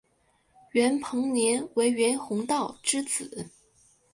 袁彭年为袁宏道之子。